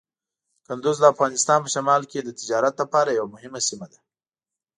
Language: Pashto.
کندز د افغانستان په شمال کې د تجارت لپاره یوه مهمه سیمه ده.